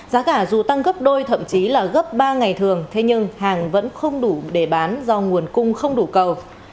giá cả dù tăng gấp đôi thậm chí là gấp ba ngày thường thế nhưng hàng vẫn không đủ để bán do nguồn cung không đủ cầu